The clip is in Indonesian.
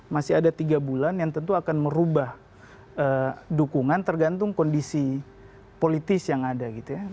masih ada tiga bulan yang tentu akan merubah dukungan tergantung kondisi politis yang ada gitu ya